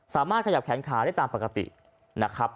ขยับแขนขาได้ตามปกตินะครับ